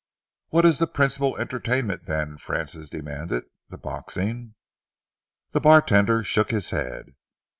"What is the principal entertainment, then?" Francis demanded. "The boxing?" The bartender shook his head.